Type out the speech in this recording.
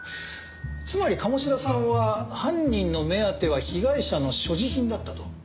つまり鴨志田さんは犯人の目当ては被害者の所持品だったと。